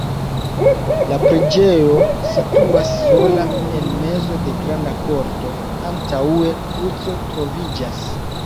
La preĝejo situas sola en mezo de granda korto, antaŭe kruco troviĝas.